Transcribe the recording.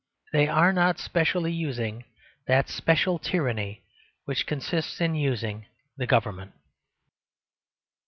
They are not specially using that special tyranny which consists in using the government.